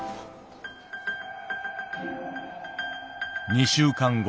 ２週間後。